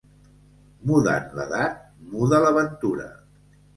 Mudant l'edat, muda la ventura.